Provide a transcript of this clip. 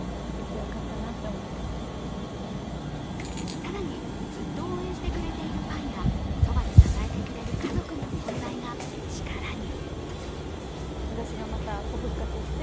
更に、ずっと応援してくれているファンやそばで支えてくれる家族の存在が力に。